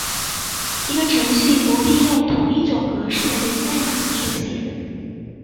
一个程序不必用同一种格式的源代码书写。